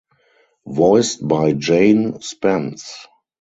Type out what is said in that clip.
Voiced by Jane Spence.